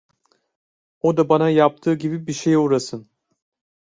O da bana yaptığı gibi bir şeye uğrasın!